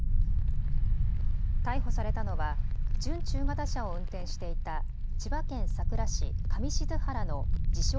逮捕されたのは準中型車を運転していた千葉県佐倉市上志津原の自称